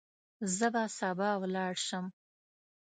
زه به سبا ولاړ شم.